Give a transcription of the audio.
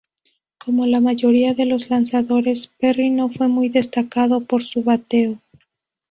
Como la mayoría de los lanzadores, Perry no fue muy destacado por su bateo.